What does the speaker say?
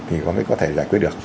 thì có thể giải quyết được